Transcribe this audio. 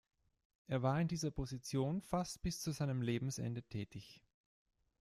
Er war in dieser Position fast bis zu seinem Lebensende tätig.